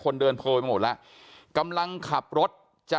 ความปลอดภัยของนายอภิรักษ์และครอบครัวด้วยซ้ำ